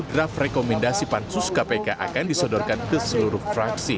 draft rekomendasi pansus kpk akan disodorkan ke seluruh fraksi